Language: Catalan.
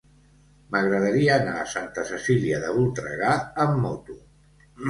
M'agradaria anar a Santa Cecília de Voltregà amb moto.